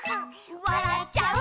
「わらっちゃう」